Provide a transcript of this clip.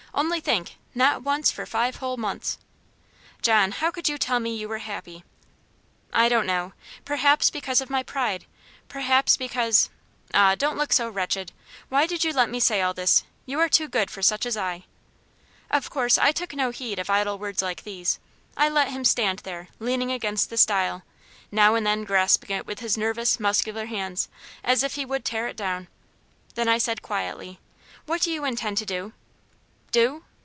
Only think, not once for five whole months." "John, how could you tell me you were happy?" "I don't know. Perhaps because of my pride; perhaps because Ah, don't look so wretched! Why did you let me say all this? You are too good for such as I." Of course I took no heed of idle words like these. I let him stand there, leaning against the stile, now and then grasping it with his nervous, muscular hands, as if he would tear it down; then I said quietly: "What do you intend to do?" "Do?